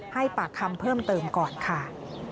ให้ปากคำเพิ่มเติมก่อนค่ะ